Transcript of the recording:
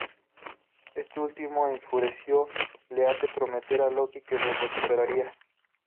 Este último enfurecido le hace prometer a Loki que los recuperaría.